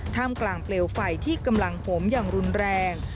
ท่ามกลางเปลวไฟที่กำลังโหมอย่างรุนแรง